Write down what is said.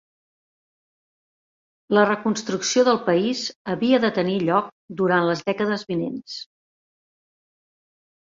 La reconstrucció del país havia de tenir lloc durant les dècades vinents.